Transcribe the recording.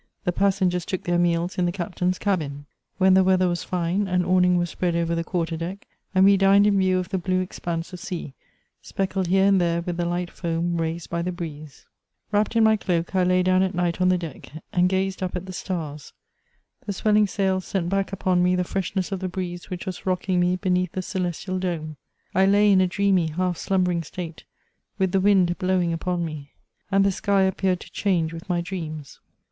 The passengers tc3ok tjieir meals in the captain's cabin. When the weather was fine, an awning was spread over the quarter deck, and we dined in view of the blue expanse of sea, speckled here and there with the light foam raised by the breeze. Wrapped in my cloak, I lay down at night on the deck, and gased up at the stars. The swelling sail sent back upon me the freshness of the breeze which was rocking me beneath the celes tial dome ; I lay in a dreamy, half s lumbering state, with the mad blowing upon me, and the sky appeared to change with my dreams.